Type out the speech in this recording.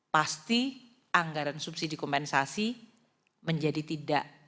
pasti anggaran subsidi kompensasi menjadi tidak